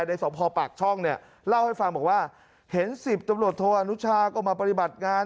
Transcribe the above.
สมภาพปากช่องเนี่ยเล่าให้ฟังบอกว่าเห็น๑๐ตำรวจโทอนุชาก็มาปฏิบัติงาน